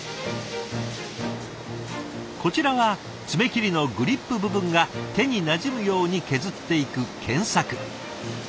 こちらはつめ切りのグリップ部分が手になじむように削っていく研削。